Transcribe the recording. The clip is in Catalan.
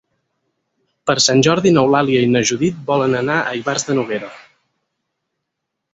Per Sant Jordi n'Eulàlia i na Judit volen anar a Ivars de Noguera.